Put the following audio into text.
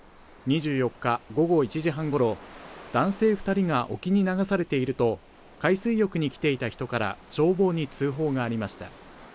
２４日午後１時半ごろ、男性２人が沖に流されていると、海水浴に来ていた人から消防に通報がありました。